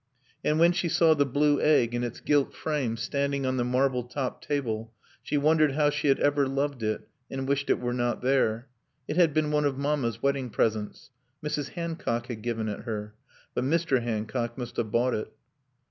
And when she saw the blue egg in its gilt frame standing on the marble topped table, she wondered how she had ever loved it, and wished it were not there. It had been one of Mamma's wedding presents. Mrs. Hancock had given it her; but Mr. Hancock must have bought it.